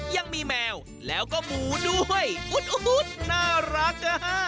ยังมีแมวแล้วก็หมูด้วยน่ารัก